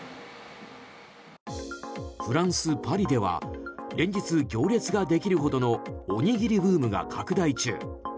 フランス・パリでは連日行列ができるほどのおにぎりブームが拡大中。